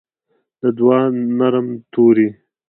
د دوعا نرم توري